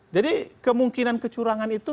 jadi kemungkinan kecurangan itu